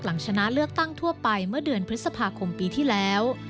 หลังชนะเลือกตั้งทั่วไปเมื่อเดือนพฤษภาคมปีที่แล้ว